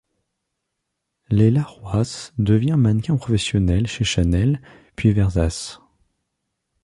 Laila Rouass devient mannequin professionnelle chez Chanel, puis Versace.